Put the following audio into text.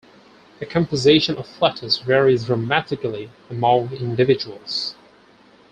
The composition of flatus varies dramatically among individuals.